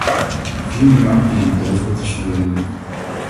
Vier miljard die in de doofpot is verdwenen.